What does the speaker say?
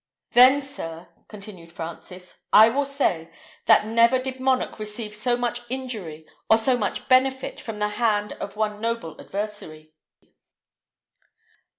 "Then, sir," continued Francis, "I will say, that never did monarch receive so much injury or so much benefit from the hand of one noble adversary."